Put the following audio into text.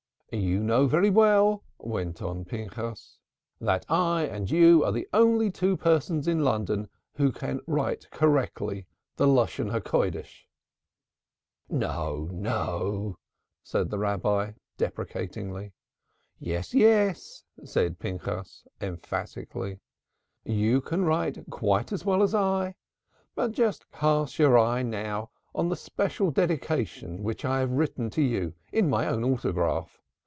"You know very well," went on Pinchas, "that I and you are the only two persons in London who can write correct Holy Language." "No, no." said the Rabbi, deprecatingly. "Yes, yes," said Pinchas, emphatically. "You can write quite as well as I. But just cast your eye now on the especial dedication which I have written to you in my own autograph.